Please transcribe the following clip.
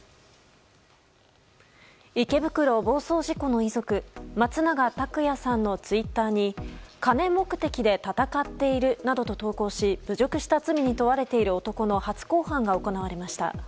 池袋暴走事故の遺族松永拓也さんのツイッターに金目的で闘っているなどと投稿し侮辱した罪に問われている男の初公判が行われました。